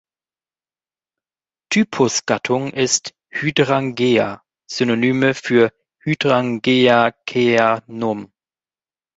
Typusgattung ist "Hydrangea" Synonyme für Hydrangeaceae nom.